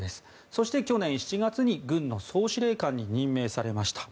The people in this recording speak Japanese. そして去年７月軍の総司令官に任命されました。